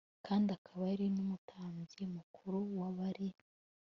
kandi akaba yari numutambyi mukuru wa Bali